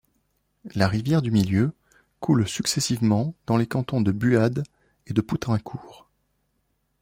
La rivière du Milieu coule successivement dans les cantons de Buade et de Poutrincourt.